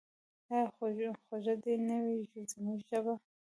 آیا خوږه دې نه وي زموږ ژبه؟